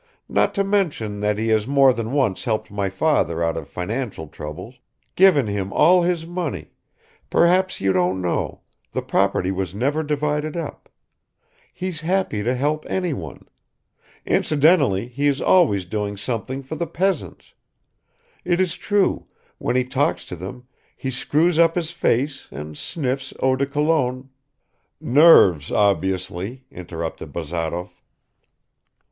Not to mention that he has more than once helped my father out of financial troubles, given him all his money perhaps you don't know, the property was never divided up he's happy to help anyone; incidentally he is always doing something for the peasants; it is true, when he talks to them, he screws up his face and sniffs eau de Cologne. .." "Nerves, obviously," interrupted Bazarov.